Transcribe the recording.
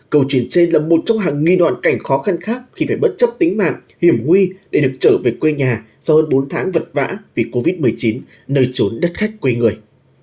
câu chuyện trên là một trong hàng nghìn hoàn cảnh khó khăn khác khi phải bất chấp tính mạng hiểm nguy để được trở về quê nhà sau hơn bốn tháng vật vã vì covid một mươi chín nơi trốn đất khách quê người